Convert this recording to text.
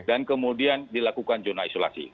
dan kemudian dilakukan zona isolasi